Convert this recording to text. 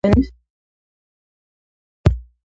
The museum was officially opened.